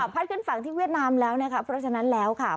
ขึ้นฝั่งที่เวียดนามแล้วนะคะเพราะฉะนั้นแล้วค่ะ